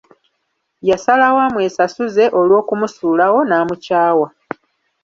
Yasalawo amwesasuze olw'okumusuulawo n'amukyawa.